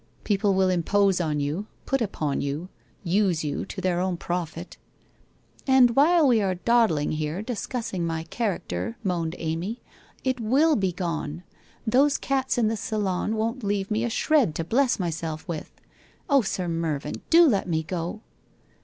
People will impose on you, put upon you, use you to their own profit '' And while we are dawdling here discussing my char acter,' moaned Amy, ' it will be gone ! Those cats in the salon won't leave me a shred to bless myself with. Oh, Sir Mervyn, do let me go